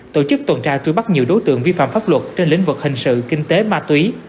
tổ chức tuần tra tuy bắt nhiều đối tượng vi phạm pháp luật trên lĩnh vực hình sự kinh tế ma túy